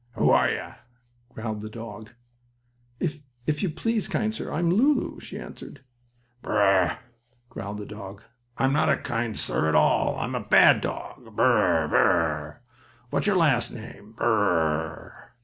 "Who are you?" growled the dog. "If if you please, kind sir, I'm Lulu," she answered. "Bur r r r!" growled the dog. "I'm not a kind Sir at all. I'm a bad dog! Bur r r r! Bur r r r! What's your last name? Bur r r r!"